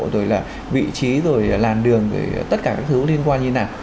rồi là vị trí rồi là làn đường rồi tất cả các thứ liên quan như thế nào